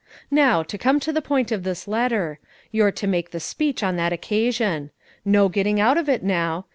Now, to come to the point of this letter, you're to make the speech on that occasion. No getting out of it now!